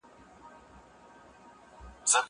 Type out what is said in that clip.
که وخت وي، ليکلي پاڼي ترتيب کوم!.